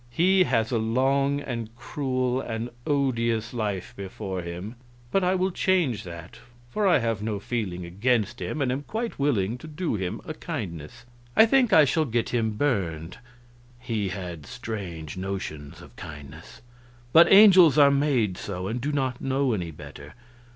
He has a long and cruel and odious life before him, but I will change that, for I have no feeling against him and am quite willing to do him a kindness. I think I shall get him burned." He had such strange notions of kindness! But angels are made so, and do not know any better.